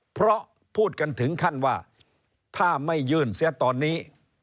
เพราะพูดกันถึงขั้นว่าถ้าไม่ยื่นเสียตอนนี้